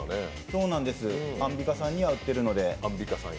そうなんです、アンビカさんには売っているので。